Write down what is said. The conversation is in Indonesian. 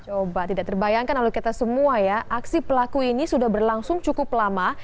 coba tidak terbayangkan lalu kita semua ya aksi pelaku ini sudah berlangsung cukup lama